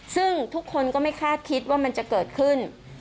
ซึ่งทุกคนก็ไม่คาดคิดว่ามันจะเกิดขึ้น